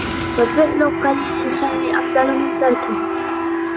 وَفِعْلُ قَلِيلِ الْخَيْرِ أَفْضَلُ مِنْ تَرْكِهِ